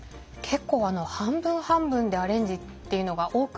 結構あの半分半分でアレンジっていうのが多くって。